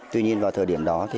tuy nhiên vào thời điểm đó